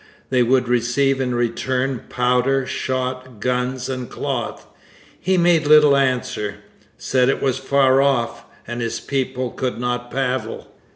They would receive in return powder, shot, guns and cloth. He made little answer; said it was far off, and his people could not paddle.